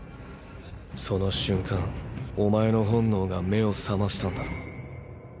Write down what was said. その瞬間お前の本能が目を覚ましたんだろう。